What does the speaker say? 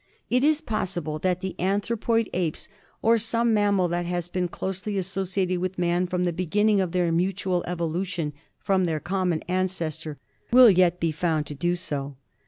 It is possible that the anthropoid apes, or some mammal that has been closely associated with man from the beginning of their mutual evolution from their common ancestor, will yet be found to do so.